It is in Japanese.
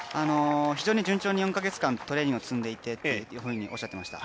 非常に順調に４カ月間トレーニングを積んでとおっしゃっていました。